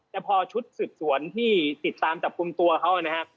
แต่พอชุดสืบสวนที่ติดตามจับกลุ่มตัวเขานะครับ